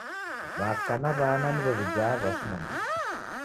W'aka na w'ana niw'o w'ijaa w'asi nandighi.